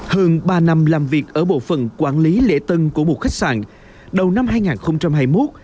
hơn ba năm làm việc ở bộ phận quản lý lễ tân của một khách sạn đầu năm hai nghìn hai mươi một